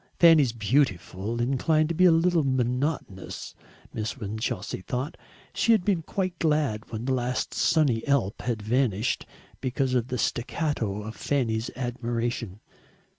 Fanny's "beautiful" inclined to be a little monotonous, Miss Winchelsea thought. She had been quite glad when the last sunny Alp had vanished, because of the staccato of Fanny's admiration.